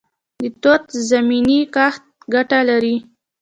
د توت زمینی کښت ګټه لري؟